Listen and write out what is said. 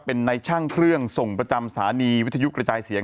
เป็นในช่างเครื่องส่งประจำสถานีวิทยุกระจายเสียง